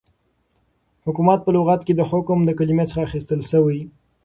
حكومت په لغت كې دحكم دكلمې څخه اخيستل سوی